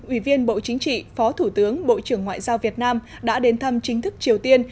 ủy viên bộ chính trị phó thủ tướng bộ trưởng ngoại giao việt nam đã đến thăm chính thức triều tiên